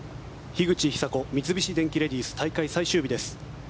樋口久子三菱電機レディス大会最終日です。